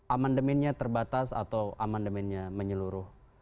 amandemennya terbatas atau amandemennya menyeluruh